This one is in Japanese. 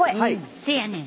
せやねん。